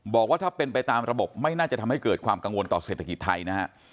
บอกว่าถ้าเป็นไปตามระบบไม่น่าจะทำให้เกิดความกังวลต่อเศรษฐกิจไทยนะฮะ